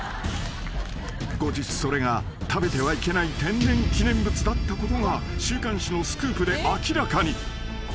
［後日それが食べてはいけない天然記念物だったことが週刊誌のスクープで明らかに］